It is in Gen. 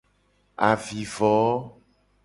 Avivo.